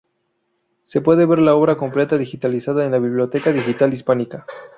Se puede ver la obra completa digitalizada en la Biblioteca Digital Hispánica.